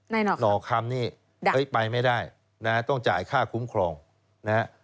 แน่นอนครับหนอคำนี่ดักเอ้ยไปไม่ได้นะฮะต้องจ่ายค่าคุ้มครองนะฮะ